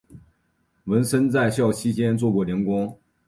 文森在校期间做过零工。